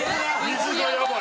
水がやばい。